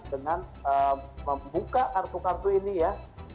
dengan membuka kartu kartu ini ya